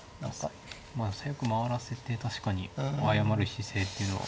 まあ最悪回らせて確かに謝る姿勢っていうのは。